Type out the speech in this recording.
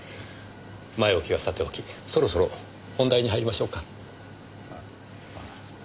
前置きはさておきそろそろ本題に入りましょうか。